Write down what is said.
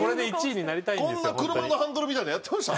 こんな車のハンドルみたいなのでやってました？